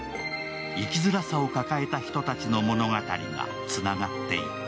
生きづらさを抱えた人たちの物語がつながっていく。